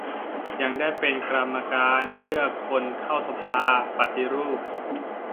ยังได้เป็นกรรมการเลือกคนเข้าสภาปฏิรูป